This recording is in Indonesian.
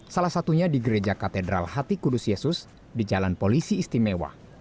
salah satunya di gereja katedral hati kudus yesus di jalan polisi istimewa